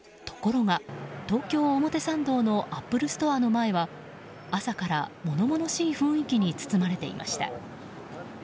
ところが、東京・表参道のアップルストアの前は朝から物々しい雰囲気に包まれていました。